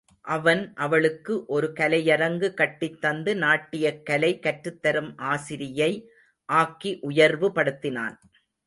அவன் அவளுக்கு ஒரு கலையரங்கு கட்டித் தந்து நாட்டியக் கலை கற்றுத்தரும் ஆசிரியை ஆக்கி உயர்வுபடுத்தினான்.